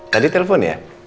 tadi telepon ya